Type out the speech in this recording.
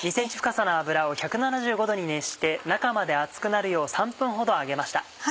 ２ｃｍ深さの油を１７５℃に熱して中まで熱くなるよう３分ほど揚げました。